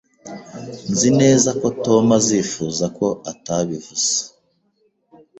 Nzi neza ko Tom azifuza ko atabivuze.